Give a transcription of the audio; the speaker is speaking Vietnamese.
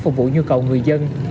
phục vụ nhu cầu người dân